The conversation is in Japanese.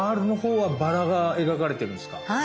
はい。